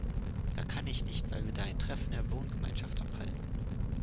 Da kann ich nicht, weil wir da ein Treffen der Wohngemeinschaft abhalten.